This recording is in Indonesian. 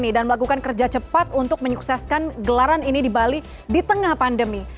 dan melakukan kerja cepat untuk menyukseskan gelaran ini di bali di tengah pandemi